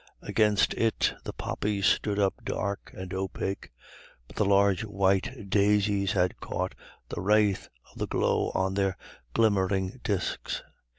Against it the poppies stood up dark and opaque, but the large white daisies had caught the wraith of the glow on their glimmering discs.